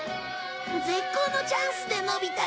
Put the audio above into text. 絶好のチャンスでのび太か。